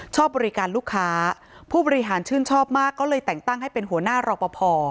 ชอบบริการลูกค้าผู้บริหารชื่นชอบมากก็เลยแต่งตั้งให้เป็นหัวหน้ารอปภ